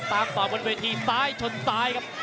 ต่อบนเวทีซ้ายชนซ้ายครับ